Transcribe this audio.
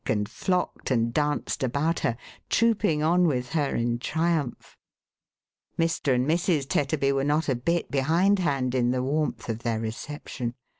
509 and flocked and danced about her, trooping on with her in triumph. Mr. and Mrs. Tetterby were not a bit behind hand in the warmth of their reception.